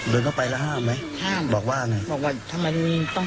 เดินเข้าไปแล้วห้ามไหม